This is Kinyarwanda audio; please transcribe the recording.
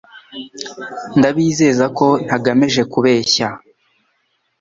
Ndabizeza ko ntagamije kubeshya